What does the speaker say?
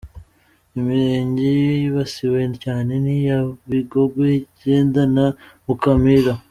Imirenge yibasiwe cyane ni iya Bigogwe, Jenda na Mukamira.